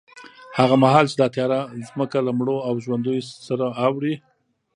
هغه مهال چې دا تیاره ځمکه له مړو او ژوندیو سره اوړي،